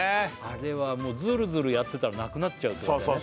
あれはもうズルズルやってたらなくなっちゃうっていう感じだね